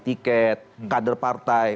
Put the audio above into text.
tiket kader partai